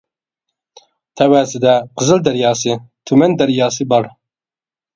تەۋەسىدە قىزىل دەرياسى، تۈمەن دەرياسى بار.